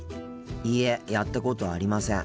いいえやったことありません。